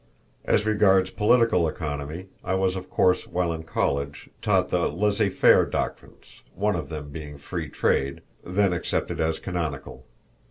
As regards political economy, I was of course while in college taught the laissez faire doctrines one of them being free trade then accepted as canonical.